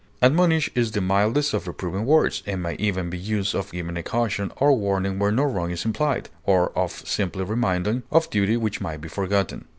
Admonish is the mildest of reproving words, and may even be used of giving a caution or warning where no wrong is implied, or of simply reminding of duty which might be forgotten.